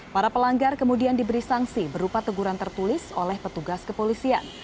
para pelanggar kemudian diberi sanksi berupa teguran tertulis oleh petugas kepolisian